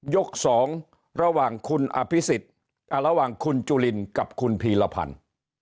สองระหว่างคุณอภิษฎระหว่างคุณจุลินกับคุณพีรพันธ์